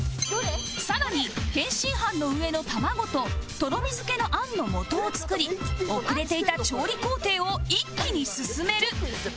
更に天津飯の上の卵ととろみ付けの餡のもとを作り遅れていた調理工程を一気に進める